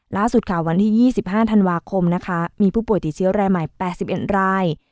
ล่าสุดค่ะวันที่๒๕ธันวาคมนะคะมีผู้ป่วยติดเชื้อรายใหม่๘๑ราย